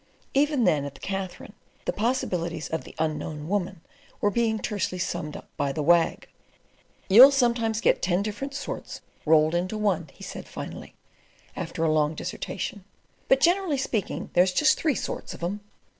Even then, at the Katherine, the possibilities of the Unknown Woman were being tersely summed up by the Wag. "You'll sometimes get ten different sorts rolled into one," he said finally, after a long dissertation. "But, generally speaking, there's just three sorts of 'em.